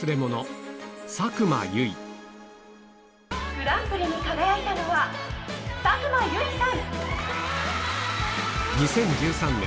・グランプリに輝いたのは佐久間由衣さん！